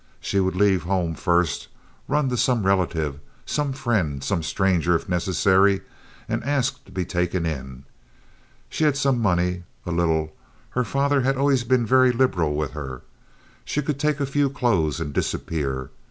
She would leave home first—run to some relative, some friend, some stranger, if necessary, and ask to be taken in. She had some money—a little. Her father had always been very liberal with her. She could take a few clothes and disappear.